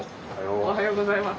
おはようございます。